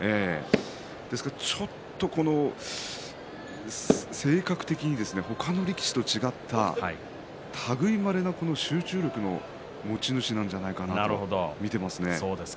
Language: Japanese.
ですから、性格的に他の力士と違ったたぐいまれな集中力の持ち主なんじゃないかなと見ていますね。